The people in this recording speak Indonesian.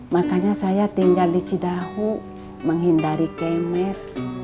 makanya saya tinggal di cidahu menghindari kemer